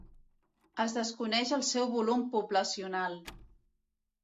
Es desconeix el seu volum poblacional.